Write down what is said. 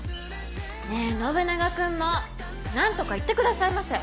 ねぇ信長君も！何とか言ってくださいませ。